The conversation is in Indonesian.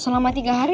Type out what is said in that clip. ya selama tiga hari